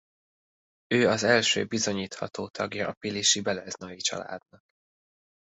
Ő az első bizonyítható tagja a pilisi Beleznay családnak.